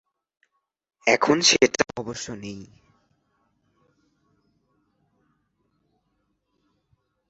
এখন সেটাও অবশ্য নেই।